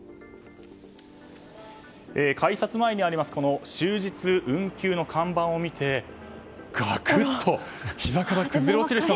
改札前にある終日運休の看板を見てガクッとひざから崩れ落ちる人も。